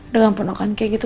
dengan penokan kayak gitu